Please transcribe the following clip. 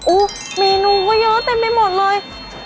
เมนูก็เยอะเต็มไปหมดเลย